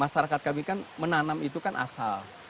masyarakat kami kan menanam itu kan asal